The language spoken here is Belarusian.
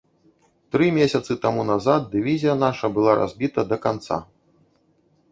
Тры месяцы таму назад дывізія наша была разбіта да канца.